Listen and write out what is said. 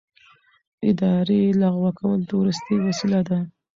اداري لغوه کول وروستۍ وسیله ده.